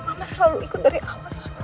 mama selalu ikut dari allah